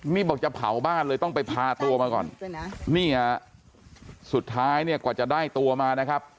นี่บอกจะเผาบ้านเลยต้องไปพาตัวมาก่อนนี่ฮะสุดท้ายเนี่ยกว่าจะได้ตัวมานะครับ